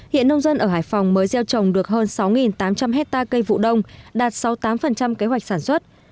hiện nông dân ở hải phòng mới gieo trồng được hơn sáu tám trăm linh hectare cây vụ đông đạt sáu mươi tám kế hoạch sản xuất